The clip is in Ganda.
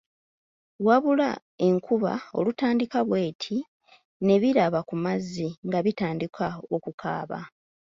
Wabula, enkuba olutandika bw’eti ne biraba ku mazzi nga bitandika okukaaba.